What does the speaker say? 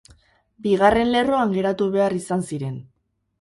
Bigarren lerroan geratu behar izan ziren.